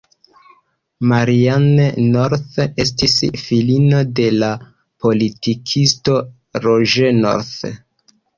Marianne North estis filino de la politikisto Roger North.